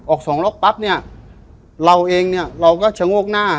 สองล็อกปั๊บเนี่ยเราเองเนี่ยเราก็ชะโงกหน้า